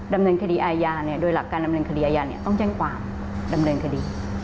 ดำเนินคดีอาญาโดยหลักการดำเนินคดีอาญาต้องแจ้งความดำเนินคดี